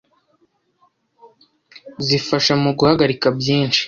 zifasha mu guhagarika byinshi